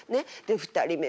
で２人目。